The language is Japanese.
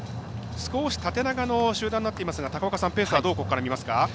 少し縦長の集団になっていますが高岡さん、ペースはどう見ますか？